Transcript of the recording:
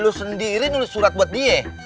lu sendiri nulis surat buat dia